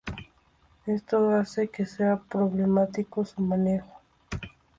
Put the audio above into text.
Esto hace que sea problemático su manejo.